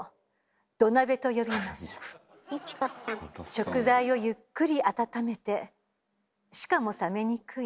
食材をゆっくり温めてしかも冷めにくい。